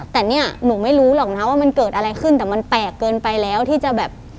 แต่เนี่ยหนูไม่รู้หรอกนะว่ามันเกิดอะไรขึ้นแต่มันแปลกเกินไปแล้วที่จะแบบ